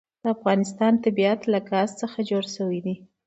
د افغانستان طبیعت له ګاز څخه جوړ شوی دی.